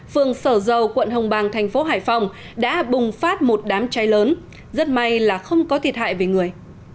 phường sở dầu quận hồng bàng thành phố hải phòng đã bùng phát một đám cháy lớn rất may là không có thiệt hại về người